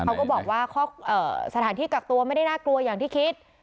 เขาก็บอกว่าสถานที่กักตัวไม่ได้น่ากลัวอย่างที่คิด